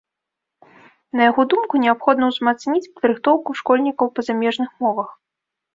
На яго думку, неабходна ўзмацніць падрыхтоўку школьнікаў па замежных мовах.